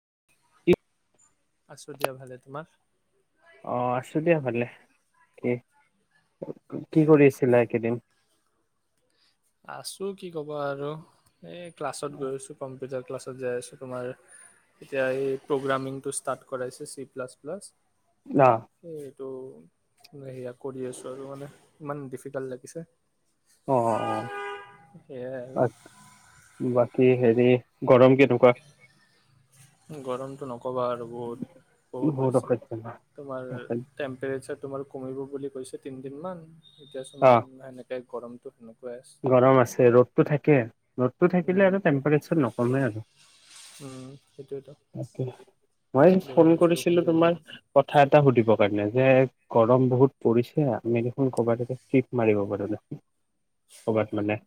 [unintelligible] আছো দিয়া ভালে। তোমাৰ? অ' আছো দিয়া ভালে। কি কৰি আছিলা এইকেইদিন? আছো কি ক'বা আৰু এই ক্লাছত গৈ আছো, কম্পিউটাৰ ক্লাছত। যাই আছোঁ তোমাৰ, এতিয়া এই প্ৰগ্ৰামিং টো ষ্টাৰ্ট কৰাইছে, চি প্লাছ প্লাছ। আহ। তো মে সেয়া কৰি আছোঁ আৰু মানে, ইমান ডিফিকাল্ট লাগিছে। অ' সেয়াই অ' আৰু [unintelligible] বাট এ হেৰি, ‌ গৰম কেনেকুৱা? গৰমতটো নক নকবা আৰু বহুত বহুত বেছি তোমাৰ অসহ্য। টেম্পৰেচাৰ তোমাৰ কমিব বুলি গৈছে তিনিদিনমান এতিয়াচোন অ এনেকে গৰমটোত নক গৰম আছে ৰ'দটো থাকে ৰ'দ থাকিলে উম আৰু টেম্পৰেচাৰ নকমে আৰু উম সেইটোৱেতো মই ফোন বৰষুণ চৰষুণ কৰিছিলো দিব তোমাক লাগে কথা এটা শুধিব। কাৰে যে গৰম বহুত পৰিছে আমি দেখোন কৰ'ৰবাত চিপ মাৰিব পাৰো দেখোন ক'ৰবাত মানে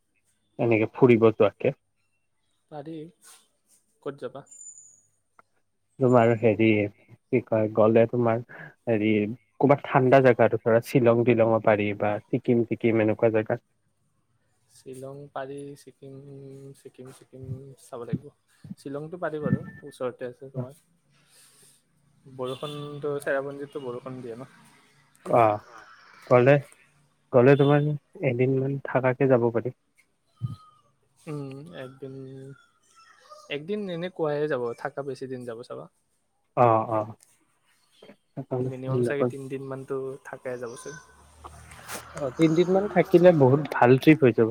এনেকে ফুৰিব যোৱাকে পাৰি ক'ত যাবা তোমাৰ হেৰি কি কয় গ'লে তোমাৰ হেৰি ক'বাত ঠাণ্ডা জেগা আৰু ধৰা শ্বিলং তিলং পাৰি বা ছিকিম চিকিম এনেকুৱা জেগাত শ্বিলং পাৰি চিকিম ছিকিম চিকিম চাব লাগিব শ্বিলংতটো পাৰি বাৰু ওচৰতে আছে তোমাৰ বৰষুণটো চেৰাপঞ্জিতো বৰষুণ দিয়ে ন অ কলে ক'লে তোমাৰ এদিনমান থকাকে যাব পাৰি উম একদিন একদিন এনে কোৱে যাব থাকা বেছি দিন যাব চাবা অঁ অঁ মিনিমাম চাগে তিনদিনানতটো থাকে যাব চাগ অ তিনদিন মান থাকিলে বহুত ভাল ট্ৰিপ হৈ যাব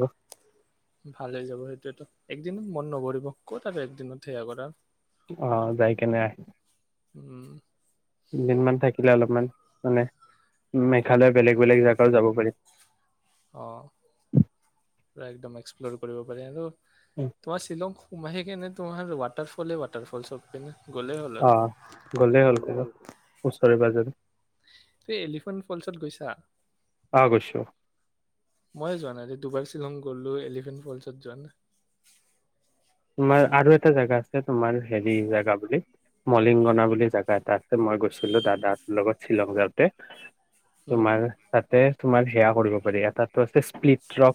ভালেই যাব সেইটোয়েতো একদিন ন ন কৰিবৰিব ক'ত আৰু একদিনত সেয়া কৰাৰ অ যাই কেনে আহ উম দিনমান থাকে অলপমান মানে মেঘালয় বেলেগ বেলেগ জেগাও যাব পাৰিম অ পুৰা একদম এক্সপ্লৰ কৰিব পাৰে আৰু তোমাৰ শ্বিলং সোমে নে তোমহাৰৰৱটাৰফলেৱটাৰফল চবে [unintelligible] আহ গ'লেই হ'ল ক'ব ওচৰে পাঁজৰে তু এলিফেণ্ট ফলচত গৈছা অ গৈছো মইে যোৱা নাই দুবাৰ শ্বিলং গলো এলিফেণ্ট ফলচত যোৱা নে তোমাৰ আৰু এটা জোগা আছে তোমাৰ হেৰি জেগা বুলি মলিংগনা বুলি জেগা এটা আছে মই গৈছিলো দাদাৰ লগত শ্বিলং যাওঁতে উম, তোমাৰ ততে তোমাৰ সেয়া কৰিব পাৰি এটাাতো আছে স্প্লিট ক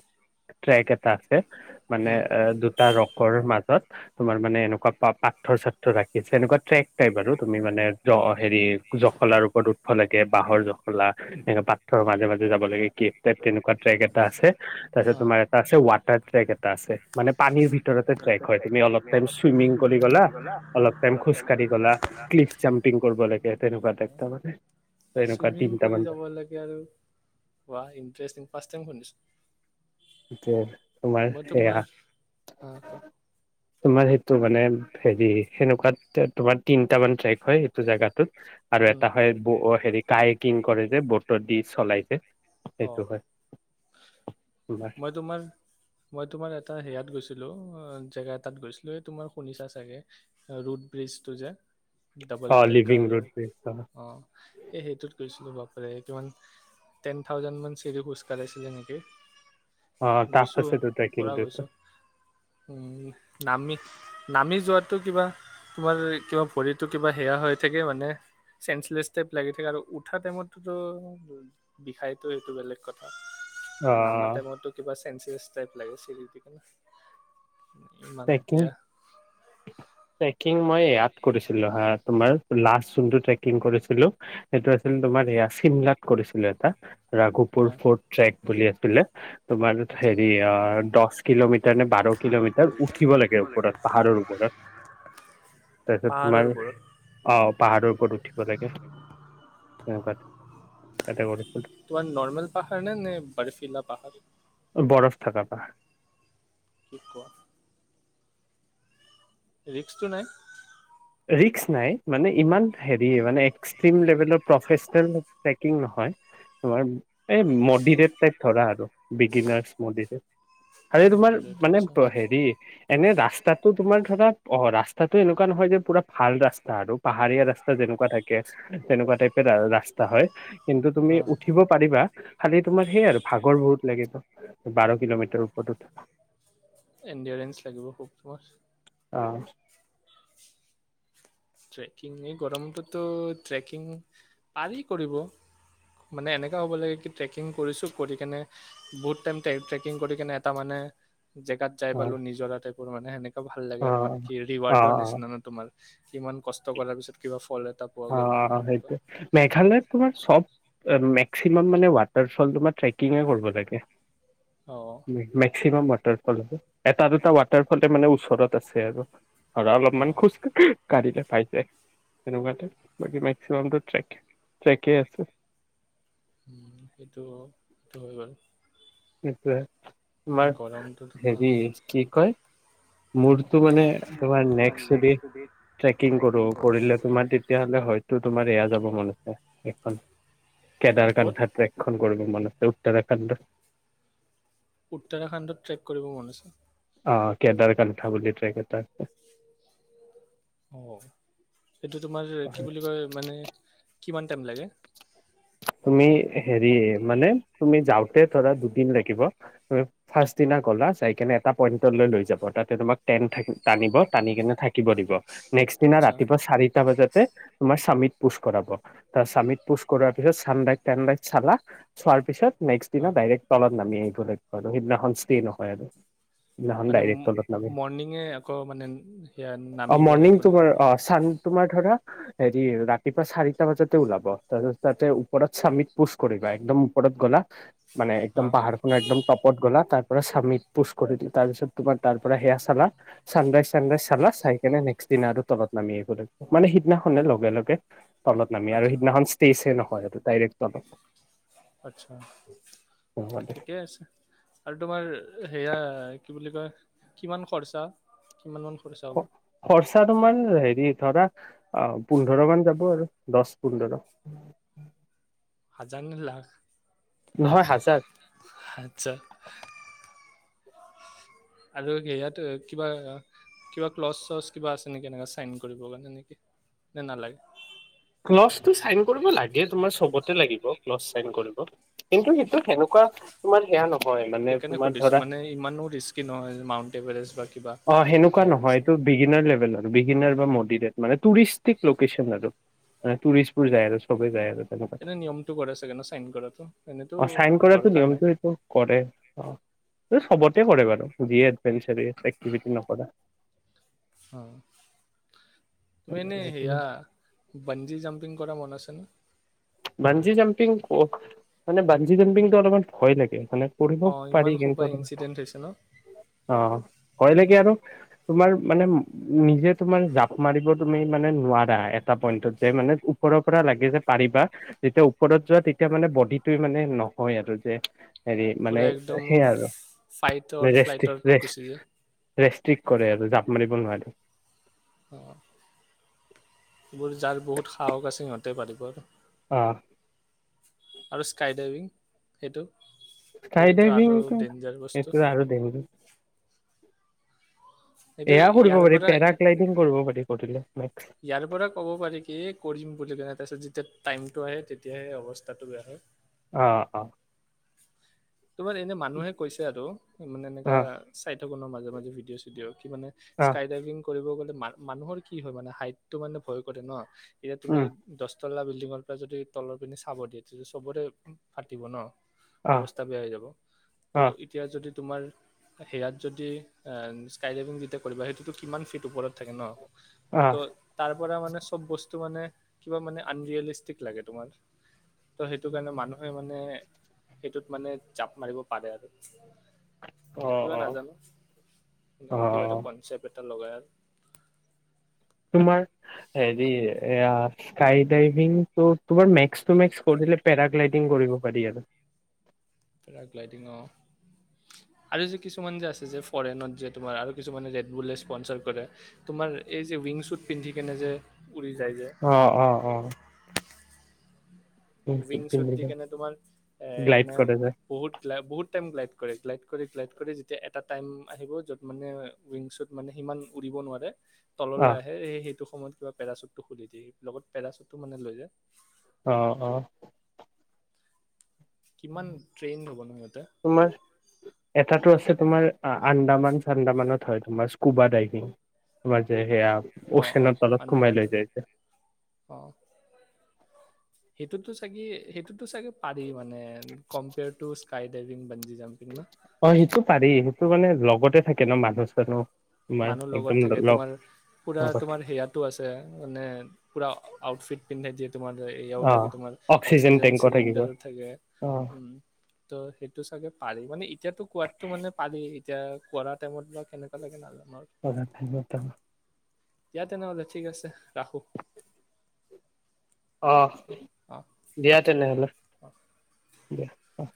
ট্ৰেক এটা আছে মানে উম, এ দুটা ৰক্ত মাজত তোমাৰ মানে এনেকুৱা পাথৰ সাৰ্থ ৰাখি আছে এনেকুৱা ট্ৰেক টাইপ আৰু তুমি মানে জ হেৰি জখলাৰ ওপৰত উঠব লাগে বাহৰ জখলা এনো পাথৰ মাজে মাজে যাব লাগে কেফ টাইপ তেনেকুৱা ট্ৰেক এটা আছে তাৰপিছত অ। তোমাৰ এটা আছে ৱাটাৰ ট্ৰেক এটা আছে মানে পানীৰ ভিতৰত ট্ৰেক মুঠতে হয় চেক অ তুমি অলপ টাইম চুইিং কৰি চুইমিং গা গ'লা, অলপ টাইম খোজ কঢ়ি গ'লা কলিফ জাম্পিং কৰিব লাগ তেনেকুৱা তাৰে চুইমিং কৰি যাব লাগে আৰু ইটষ্টি ফট শুনিছো [inaudible] এতিয়া তোমাৰ মই তোমাৰ হা কোৱা, সেয়া তোমাৰ সেইটো মানে হেৰি সেনেকুৱাত তোমাৰ তিনট মান ট্ৰেক হয় এইটো জেগাত আৰু উম, এটা হয় ব হেৰি কায়ে কিং কৰে যে ব্ত উ দি চলাইছে অ তোমাৰ মই তোমাৰ মই তোমাৰ এটা হেয়াত গৈছিলো অ জেগা এটাত গৈছিলো এই তোমাৰ শুনিছা চাগে ৰুড ব্ৰিজটো যে ডাবল অ লিভিং ডেকাৰ ৰুট অ এই সেইটোত গৈছি ল'ব পাৰে কিমান টেন থাউজেণ্ড মান চিৰি খোজকাঢ়িছিলে নেকি অ টাফ গৈছো আছেতো পৰা ট্ৰেকিংটোতো গৈছো উম নামমিত নামি যোৱটো কিবা তোমাৰ কিবা ভৰিতো কিবা সেয়া হৈ থাকে মানে চেন্ঞ্চলেছ টাইপ লাগি থাকে আৰু উঠা টাইমততো বিষাই সেটো সেইটো বেলেগ কথা অ আৰু নামা টাইমতো কিবা চে চেঞ্চলেছ টাইপ লাগে চিৰি দি গলে ট্ৰেকিং ট্ৰেকিং মই এয়াত কৰিছিলো সেই তোমাৰ লাষ্ট যোনটো ট্ৰেকিং কৰিছিলো সেইটো আছিল তোমাৰ এয়া ছিমলাত কৰিছিলো এটা ৰাঘুপুৰ অ ফ'ৰ্ট ট্ৰেক বুলি আছিলে তোমাৰ আচ্ছা হেৰি অ দহ কিলোমিটাৰ নে বাৰ কিলোমিটাৰ উঠিব লাগে ওপৰত পাহাৰৰ ওপৰত তাৰপিছত পাহাৰৰ তোমাৰ ওপৰত অ পাহাৰৰ ওপৰত উঠিব লাগে তেনেকোৱা তোমাৰ নৰ্মেল পাহাৰ নে নে বাৰিফিলা পাহাৰ থকাপা শিক ক ৰিক্সটো নাই ৰিক্স নাই মানে ইমান হেৰি মানে এক্সট্ৰিম লেভেলৰ প্ৰফেচনেল টেকিং নহয় তোমাৰ এই মডিৰেট টাইপ ধৰা আৰু বিগিনাৰছ মডিটো আৰু তোমাৰ মানে আচ্ছা হেৰি এনে ৰাস্তাটো তোমাৰ ধৰা অ ৰাস্তাটো এনেকোৱা নহয় যে পুৰা ভাল ৰাস্তা আৰু পাহাৰীয়া ৰাস্তা যেনেকোৱা থাকে তেনেকোৱা টাইপ ৰাস্তা হয় কিন্তু অ তুমি উঠিব পাৰিবা খালি তোমাৰ সেইয়ে আৰু ভাগৰ বহুত লাগিব৷ বাৰ কিলোমিটাৰ ওপৰত উঠো। এণ্ডয়েৰেঞ্চ লাগিব খুবৰ। অঁ ট্ৰেকিং এই গৰমটোতো ট্ৰেকিং পাৰি কৰিব মানে এনেকোৱা হ'ব লাগে কি ট্ৰেকিং কৰিছো কৰি কেনে বহুত টাইম ট্ৰেকিং কৰি কিনে এটা মানে জেগাত যাই অ পালো নিজৰাতে মানে এনেকে ভাল লাগে অ আৰু মানে কি অ ৰিৱাৰ্ডৰ নিচিনা ন তোমাৰ। কিমান কষ্ট কৰাৰ পিছত কিবা ফল এ অ'অ'সেইটো মেঘালয়ত তোমাৰ চব মে মেক্সিমাম মানে ৱাটাৰ ফল তোমাৰ ট্ৰেকিংয়ে কৰিব লাগে। অ মেক্সিমাম ৱাট এটা দুটা ৱাটাৰফলে মানে ওচৰত আছে আৰু। আৰু অলপ অ মন খুজ কাঢ়িলে পাইছে তেনেকুৱা তাইপ। বাকী মেক্সিমামটো ট্ৰেক ট্ৰেকে আছে। উম সেইটো সেইটো হয় বাৰু। সেইটোয়ে তোমাৰ গৰমটো হেৰি কি কয়। মোৰতো মানে তোমাৰ নেক্সট যদি ট্ৰেকিং কৰো কৰিলে তোমাৰ তেতিয়াহলে হয়টো তোমাৰ এয়া যাব মন আছে এইখন। কেদাৰ ক'ত কান্ধা ট্ৰেকখন কৰিব মান আছে। উত্তৰাখণ্ড। উত্তৰাখণ্ডত ট্ৰেক কৰিব মন আছে। অ, কেদাৰ কান্ঠ বুলি ট্ৰেক এটা আছে। অহঁ, এইটো তোমাৰ কি বুলি কয় মানে। কিমান টাইম লাগে? তুমি হেৰি মানে তুমি যাওঁতে ধৰা দুদিন লাগিব, তুমি ফাষ্টদিনা গলা চাই কিনে এটা পইণ্টলে লৈ যাব তাতে তোমাক টেন টানিব টানি কেনে থাকিব দিব। নেক্সট দিনা আচ্ছা ৰাতিপুৱা চাৰিটা বজাতে তোমাৰ স্বামী পোচ কৰাব তাৰ স্বামীত পোচ কৰাৰ পিছত চান্দাইক টান্দাইক চালা চোৱাৰ পিছত-। নেক্সট অ দিনা ডাইৰেক্ তলত নামি আহিব। সেই দিনাখন স্টে নহয় আৰু। সিদিনাখন মানে ডাইৰেক্ট তলত নামি মৰ্ণিঙে আকৌ মানে সেয়া অ নামিব মৰ্ণিং লাগিব তোমাৰ নেকি। অ চান তোমাৰ ধৰা হেৰি ৰাতিপুৱা চাৰিটা বজাতে ওলাব তাৰপাছত। তাতে ওপৰত স্বামীত পোষ কৰিবা একদম ওপৰত গ'লা-। মানে অ একদম পাহাৰ খনৰ একদম টপত গ'লা। তাৰ পৰা চামীত পোচ কৰিলো তাৰপিছত তোমাৰ পৰা সেয়া চালা চানৰাইজ চানৰাইজ চালা চাই কিনে নেক্স দিনা আৰু তলত নামি আহিব লাগিব মানে সিদিনাখনে লগে লগে তলত নামি আৰু আচ্ছা সিদিনাখন নহয় এইটো ডাইৰেক্টত আচ্ছা ঠিকে আছে, আৰু তোমাৰ সেয়া কি বুলি কয় কিমান খৰচা কিমান- সৰি চাব [unintelligible] ত তোমাৰ হেৰি ধৰা পোন্ধৰ মান যাব আৰু দহ পোন্ধৰ হাজাৰ নে লাখ নহয় হাজাৰ। আচ্ছা। আৰু সেয়াত কিবা কিবা ক্লজ চচ কিবা আছে নেকি এনে চাইন কৰিবে নেকি ন নালাগে? ক্লছটো চাইন কৰিব লাগে তোমাৰ চবতে লাগিব ক্লছ চাইন কৰিব কিন্তু সটো সেনেকুৱা তোমাৰ সেয়া নকয় হয় মানে সেইকাৰণে তোমাৰ সুধিছো ধৰা, মানে ইমানো ৰিস্কি নহয় মাউণ্ট এভাৰেষ্ট বা কিবা অ হেনেকুৱা সেয়াৰ নহয় নিচিনা এইটো বিগিনৰ লেভেল ৰ লন আৰু টোৰিষ্টবোৰ যায় আৰুছে সবেই যায় আৰু তেনেকুৱা এনে নিয়মটো কৰে চাগে ন চাইন কৰাতটো এনেতো অ চাইন কৰাটো দৰকাৰ নিয়মটো সেইটো কৰে নাই, অ চবতে কৰে বাৰু যিয়ে এেঞ্চৰি আ এক্টি নকা অ তুমি এনেই সেইটো সেয়া। বঞ্জি জাম্পিং কৰা মন আছে ন? বান্জি জাম্পিং মানে বান্জি জাম্পিংটো অলপমান ভয় লাগে। মানে কৰিবঢ অ পাৰি ইমান কিন্তু সোপা অ ইনচিডেণ্ট হৈছে ন কলে। আৰু তোমাৰ মানে নিজে তোমাৰ জাপ মাৰিব তুমি মানে নোৱাৰা এটা পইন্টত যে মানে ওপৰৰ পৰা লাগে যে পাৰিবা যেতিয়া ওপৰত যোৱা তেতিয়া মানে বডিটে মানে নহয় আৰু যে হেৰি পুৰা মানে একদম সেই আৰু ফাইটৰ ৰেষ্টিক ফ্লাইটত গুচি যায় ৰেষ্ট ৰেষ্টিক কৰে আৰু জাঁপ মাৰিব নোৱাৰে, অ এইোৰ যাৰ বহুত সাহকা আছে সিহঁতে পাৰিব আৰু আহ। আৰু স্কাই ডাইভিং সেইটো। স্কাই সেইটোতো আৰু ডাইভিংটো ডেঞ্জাৰ বস্তু এইটো আৰু দংগ। সেইটো ইয়াৰ পাৰি পৰা পেৰাগ্লাইডিং কৰিব পাৰি কৰিলে নেক্স। ইয়াৰ পৰা কব পাৰি কি কৰিম বুলি কনে তাৰপিছত। তে টাইমটো আহে তেতিয়াহে অৱস্থাটো বেয়া হয় আহ অ, তোমাৰ এনে মানুহে কৈছে আৰু মানে এনেুৱকা অ চাই থাকনৰ মাজে মাজে ভিডিঅ' চিডিঅ' কি মানে অ স্কাইাইভিং, কৰিব গলে ম মানুহৰ কি হয় মানে হাইটটো মানে ভয় কৰে ন এতিয়া তুমি উম দহ লা বিল্ডিঙৰ পৰা যদি তলৰ পিি চাব দিয়ে তেতি চবৰে ফাটিব ন অ অৱস্থা বেয়া হৈ যাব ত' অ এতিয়া যদি তোমাৰ সেয়াত যদি স্কাই ডাইভিং যেতিয়া কৰিবা সেইটোতো কিমান ফিট ওপৰত থাকে ন অ ত তাৰ পৰাৰা মান চব বস্তু ম মানে জাপ মাৰিব পাৰে আৰু অ কিবা নাজানো অ কিবা অ এটা কনচেপ্ট এ টাত লগাই আৰু তোমাৰ হেৰি এয়া স্কাই ডাইভিং তোমাৰ মেক্স টু মেক্স কৰিলে পেৰাগ্লাইডিং কৰিব পাৰি আৰু। পেৰাগ্লাইডং অ', আৰু যে কিছুমান যে আছে যে ফৰেনত যে তোমাৰ কিছু ৰেডবুল স্পনাৰ কৰে তোমাৰ এই যে উইং শ্বুট পিন্ধি কেনে যে উৰি যায় যে অ', অ', অ'। উইং শ্বুট দি পিন্ধিব কেনে তোমাৰ এ গ্লাইড এনে কৰে যে বহুত, বহুত টাইম গ্লাইড কৰে, গ্লাইড কৰে গ্লাইড কৰে যেতিয়া এটা টাইম আহিব য'ত মানে উইংচত মানে ইমান উৰিব নোৱাৰে তললৈ অ', আহে এ সেই সেইটোসময়ত কিবা পেৰাুটটো খুুলি দিয়ে লগত পেৰাচুটটো মানে লৈ যায়। অ', অ'। কিমান ট্ৰেইনড হ'ব নহয় তোমাৰ এটাতো ইহঁতে। আছে তোমাৰ আন্দামান চন্দামানত হয় তোমাৰ স্কুবা ডাইভিং, তোমাৰ যে সেয়া অ অ ওশ্বেনৰ তলত আণ্ডাৰ সুমাই লৈ ৱাটাৰ যাইছে। অ সেইটোতো চাগে সেইটোতো চাগে পাৰি মানে compare to skydiving bungee jumping ন অ', সেইটো পাৰি। তো মানে লগতে থাকে ন' মানুহ চানুহ। তোমাৰ মানুহ লগত একদম থাকে লগ তোমাৰ পুৰা লগত তোমাৰ সেয়াতো আছে মানে পুৰা আউটফিট পিন্ধাই দিয়ে। তোমাৰ এয়াও থাকে অ', তোমাৰ অক্সিজেন টেংকো থাকিব চিলিণ্ডাৰো থাকে অ', উম, ত' সেইটো চাগে পাৰি মানে এতিয়াতো কোৱাতো মানে পাৰি এতিয়া পৰা টাইমত কেনেকুৱা লাগে নাজান [unintelligible] দিয়া তেনেহ'লে ঠিক আছে ৰাখোঁ। অ', দিয়া তেনেহ'লে। অ'। দিয়া অ'।